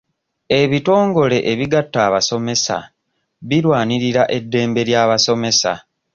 Ebitongole ebigatta abasomesa birwanirira eddembe ly'abasomesa.